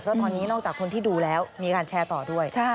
เพราะตอนนี้นอกจากคนที่ดูแล้วมีการแชร์ต่อด้วย